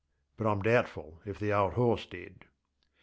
But IŌĆÖm doubtful if the old horse did.